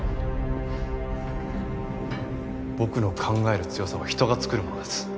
僕の考える「強さ」は人が作るものです。